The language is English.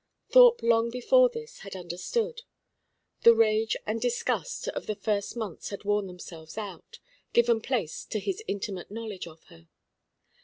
Thorpe long before this had understood. The rage and disgust of the first months had worn themselves out, given place to his intimate knowledge of her.